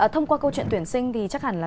thông qua câu chuyện tuyển sinh thì chắc hẳn là